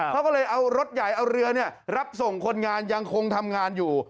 เขาก็เลยเอารถใหญ่เอาเรือรับส่งคนงานยังคงทำงานอยู่